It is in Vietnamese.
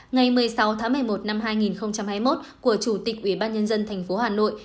ngày một mươi sáu tháng một mươi một năm hai nghìn hai mươi một của chủ tịch ủy ban nhân dân tp hà nội